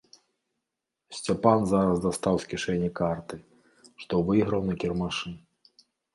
Сцяпан зараз дастаў з кішэні карты, што выйграў на кірмашы.